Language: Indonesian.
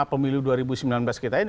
pemilu dua ribu sembilan belas kita ini